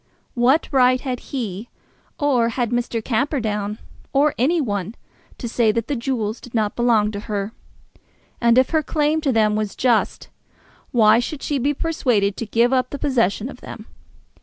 What right had he, or had Mr. Camperdown, or any one, to say that the jewels did not belong to her? And if her claim to them was just, why should she be persuaded to give up the possession of them?